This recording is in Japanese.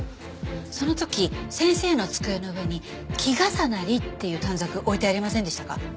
その時先生の机の上に「きがさなり」っていう短冊置いてありませんでしたか？